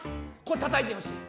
これたたいてほしい。